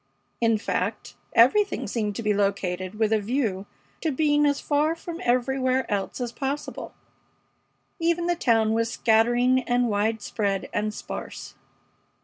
In fact, everything seemed to be located with a view to being as far from everywhere else as possible. Even the town was scattering and widespread and sparse.